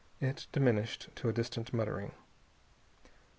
It diminished to a distant muttering.